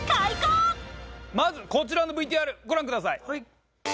まずこちらのＶＴＲご覧ください。